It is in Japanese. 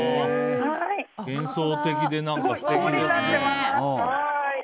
幻想的で素敵ですね。